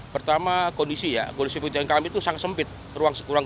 pertama kondisi ya kondisi pekerjaan kami itu sangat sempit ruang sekurang